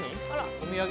お土産？